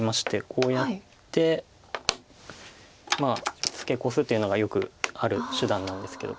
こうやってツケコすというのがよくある手段なんですけど。